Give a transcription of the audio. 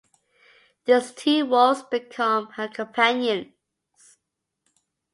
These two wolves become her companions.